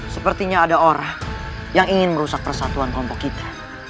sepertinya ada orang yang ingin merusak persatuan kelompok kita